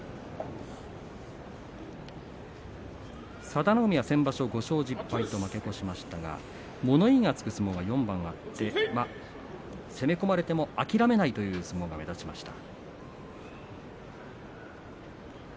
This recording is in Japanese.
佐田の海は先場所５勝１０敗と負け越しましたが物言いがつく相撲が４番あって攻め込まれても諦めないという相撲が目立ちました。